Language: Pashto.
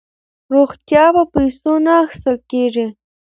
روغتیا په پیسو نه اخیستل کیږي.